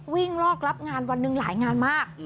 ลอกรับงานวันหนึ่งหลายงานมาก